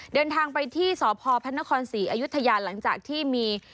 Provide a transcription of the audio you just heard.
เดินทางไปที่สพภศ๔อยหลังจากที่มี